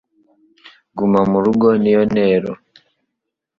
guma murugo niyo ntero